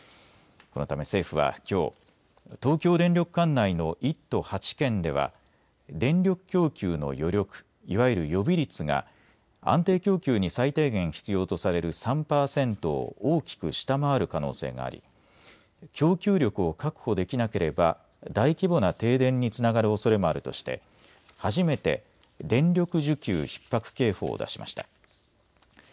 このため政府は、きょう東京電力管内の１都８県では電力供給の余力いわゆる予備率が安定供給に最低限必要とされる３パーセントを大きく下回る可能性があり供給力を確保できなければ大規模な停電につながるおそれもあるとして初めて電力需給ひっ迫警報を出しました。